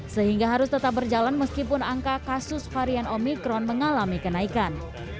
sehingga harus tetap berjalan meskipun angka kasus varian omikron mengalami kenaikan